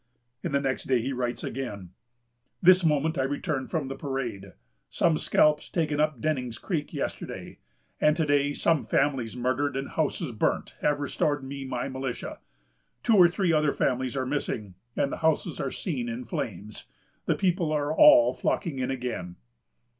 On the next day, he writes again: "This moment I return from the parade. Some scalps taken up Dening's Creek yesterday, and to day some families murdered and houses burnt, have restored me my militia.... Two or three other families are missing, and the houses are seen in flames. The people are all flocking in again."